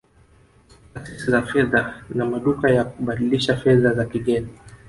Taasisi za fedha na maduka ya kubadilisha fedha za kigeni